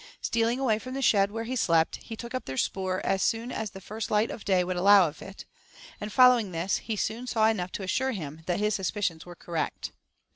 Stealing away from the shed, where he slept, he took up their spoor as soon as the first light of day would allow of it, and, following this, he soon saw enough to assure him that his suspicions were correct.